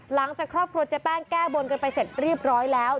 หลังจากครอบครัวเจ๊แป้งแก้บนกันไปเสร็จเรียบร้อยแล้ว